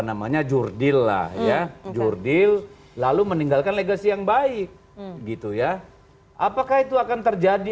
namanya jurdillah ya jurdil lalu meninggalkan legasi yang baik gitu ya apakah itu akan terjadi